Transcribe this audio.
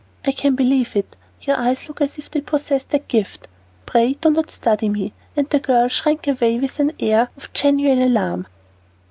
"I can believe it; your eyes look as if they possessed that gift. Pray don't study me." And the girl shrank away with an air of genuine alarm.